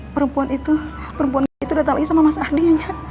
perempuan itu perempuan itu datang lagi sama mas ahdi nyonya